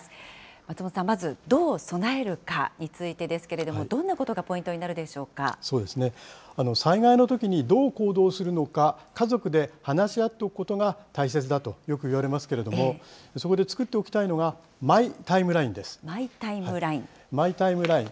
松本さん、まずどう備えるかについてですけれども、どんなことがそうですね、災害のときにどう行動するのか、家族で話し合っておくことが大切だとよく言われますけれども、そこで作っておきたいのが、マイ・タイムラインでマイ・タイムライン？